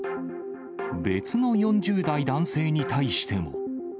別の４０代男性に対しても。